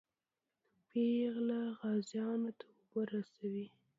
پېغلې غازیانو ته اوبه رسوي.